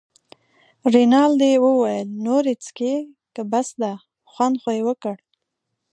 رینالډي وویل: نور یې څښې که بس ده، خوند خو یې وکړ.